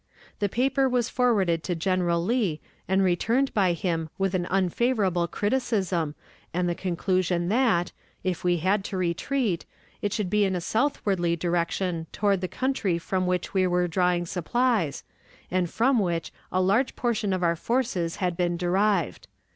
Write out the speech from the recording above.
The paper was forwarded to General Lee and returned by him with an unfavorable criticism, and the conclusion that, if we had to retreat, it should be in a southwardly direction toward the country from which we were drawing supplies, and from which a large portion of our forces had been derived.